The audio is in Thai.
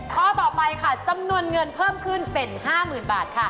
ข้อต่อไปค่ะจำนวนเงินเพิ่มขึ้นเป็น๕๐๐๐บาทค่ะ